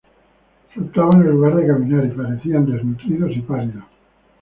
Saltaban en lugar de caminar, y parecían desnutridos y pálidos.